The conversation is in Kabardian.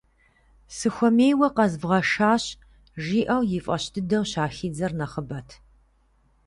Сыхуэмейуэ къэзывгъэшащ! - жиӏэу, и фӏэщ дыдэу щахидзэр нэхъыбэт.